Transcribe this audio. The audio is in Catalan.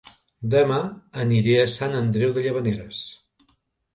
Dema aniré a Sant Andreu de Llavaneres